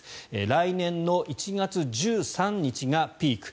来年の１月１３日がピーク。